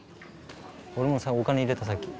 俺もさお金入れたさっき。